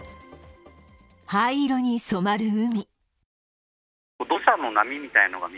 灰色に染まる海。